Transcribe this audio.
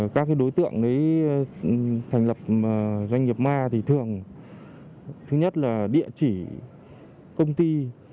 các đối tượng đấy thành lập doanh nghiệp ma thì thường thứ nhất là địa chỉ công ty